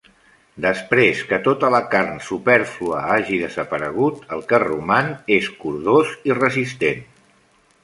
Després que tota la carn supèrflua hagi desaparegut, el que roman és cordós i resistent.